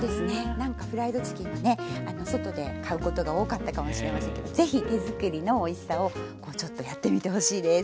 何かフライドチキンはね外で買うことが多かったかもしれませんけど是非手作りのおいしさをちょっとやってみてほしいです。